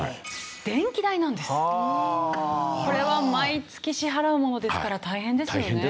これは毎月支払うものですから大変ですよね。